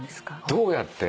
どうやって？